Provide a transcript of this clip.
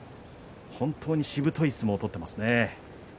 しぶとい相撲を取っていますね。